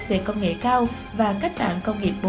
về công nghệ cao và cách mạng công nghiệp bốn